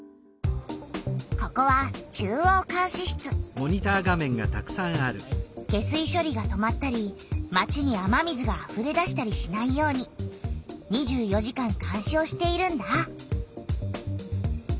ここは下水しょりが止まったり町に雨水があふれ出したりしないように２４時間監視をしているんだ。